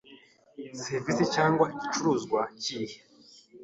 serivisi cyangwa igicuruzwa kihe